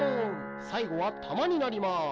さいごはたまになります。